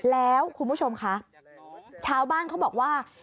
แล้วคุณผู้ชมคะชาวบ้านเขาบอกว่า